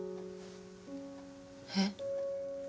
えっ？